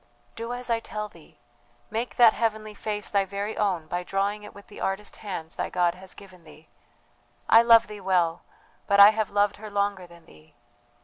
"Do as I tell thee, make that heavenly face thy very own by drawing it with the artist hands thy God has given thee! I love thee well, but I have loved her longer than thee.